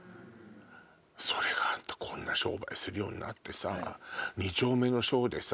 それがこんな商売するようになってさ。